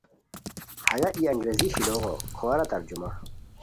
ہیہ ای انگریزی شیلوغو کھوار ترجمہ